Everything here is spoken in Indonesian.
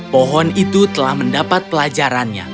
pohon itu telah mendapat pelajarannya